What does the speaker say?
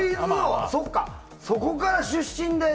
そこから出身で。